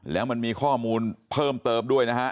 แล้วมันมีข้อมูลเพิ่มเติมด้วยนะฮะ